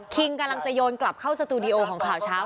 กำลังจะโยนกลับเข้าสตูดิโอของข่าวเช้า